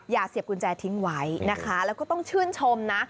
อย่าเสียบกุญแจทิ้งไว้นะคะแล้วก็ต้องชื่นชมนะ